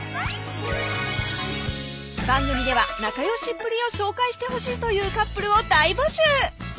番組では仲良しっぷりを紹介してほしいというカップルを大募集！